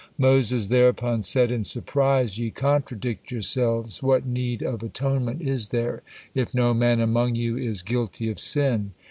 Moses thereupon said in surprise, "Ye contradict yourselves, what need of atonement is there if no man among you is guilty of sin?"